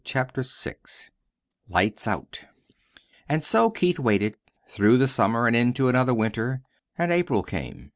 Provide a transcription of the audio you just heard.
CHAPTER VI LIGHTS OUT And so Keith waited, through the summer and into another winter. And April came.